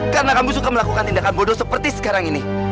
karena kamu suka melakukan tindakan bodoh seperti sekarang ini